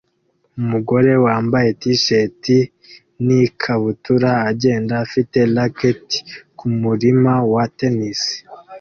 Umugore wambaye T-shirt n ikabutura agenda afite racket kumurima wa tennis